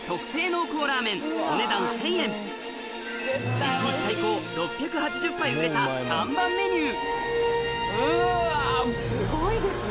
お目当ての一杯が売れた看板メニューうわすごいですね！